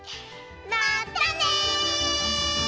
まったね！